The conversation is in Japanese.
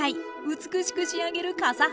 美しく仕上げる笠原